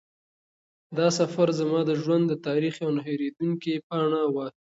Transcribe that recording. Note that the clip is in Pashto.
دا سفر زما د ژوند د تاریخ یوه نه هېرېدونکې پاڼه وه.